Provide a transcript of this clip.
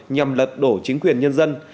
nhằm lật đổ chính quyền nhân dân